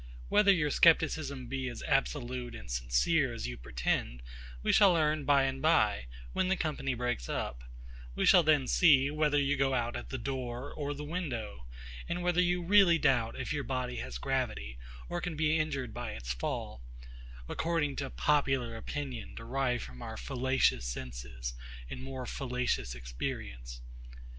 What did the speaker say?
Whether your scepticism be as absolute and sincere as you pretend, we shall learn by and by, when the company breaks up: We shall then see, whether you go out at the door or the window; and whether you really doubt if your body has gravity, or can be injured by its fall; according to popular opinion, derived from our fallacious senses, and more fallacious experience.